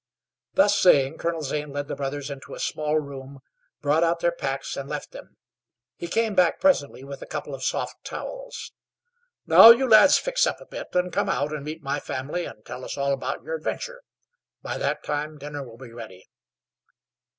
Thus saying, Colonel Zane led the brothers into a small room, brought out their packs, and left them. He came back presently with a couple of soft towels. "Now you lads fix up a bit; then come out and meet my family and tell us all about your adventure. By that time dinner will be ready."